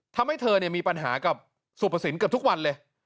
ทำให้เธอมีปัญหากับสุภสินเกือบทุกวันเลย